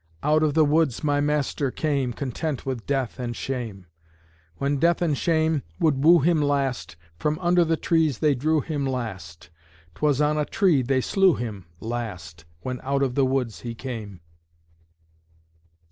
Out of the woods my Master came, Content with death and shame. When Death and Shame would woo Him last, From under the trees they drew Him last: 'Twas on a tree they slew Him last, When out of the woods He came.